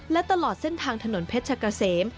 และตลอดเส้นทางถนนเพชรกะเสม